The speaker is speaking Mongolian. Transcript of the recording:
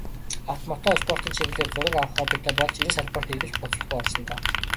Авто, мото спортын чиглэлээр зураг авах хоббитой болж, энэ салбарт эргэлт буцалтгүй орсон доо.